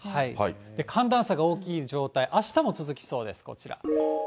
寒暖差が大きい状態、あしたも続きそうです、ご注意ください。